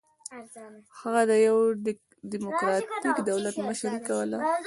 هغه د یوه ډیموکراټیک دولت مشري کوله.